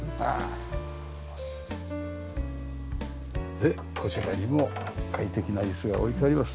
でこちらにも快適な椅子が置いてあります。